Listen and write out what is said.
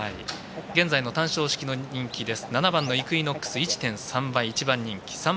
現在の単勝式の人気です。